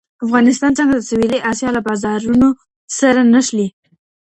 افغانستان څنګه د سویلي اسیا له بازارونو سره نښلي؟